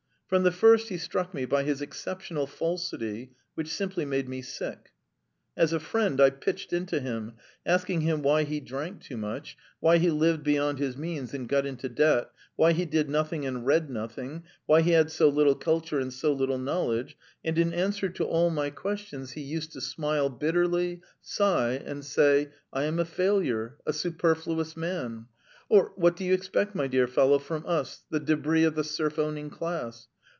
From the first he struck me by his exceptional falsity, which simply made me sick. As a friend I pitched into him, asking him why he drank too much, why he lived beyond his means and got into debt, why he did nothing and read nothing, why he had so little culture and so little knowledge; and in answer to all my questions he used to smile bitterly, sigh, and say: 'I am a failure, a superfluous man'; or: 'What do you expect, my dear fellow, from us, the debris of the serf owning class?'